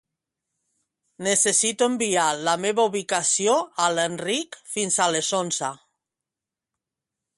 Necessito enviar la meva ubicació a l'Enric fins a les onze.